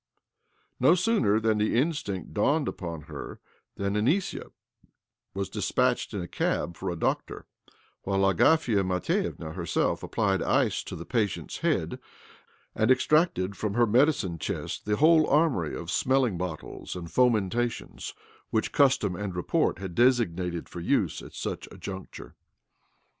No sooner had the instinct dawned upon her than Anisia was dispatched in a cab for a doctor, while Agafia Matvievna herself applied ice to the patient's head, and extracted from her medicine chest the whole armoury of smelling bottles and fomentations which custom and report had designated for use at such a juncture.